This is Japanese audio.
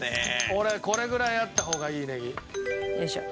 俺これぐらいあった方がいいネギ。よいしょ。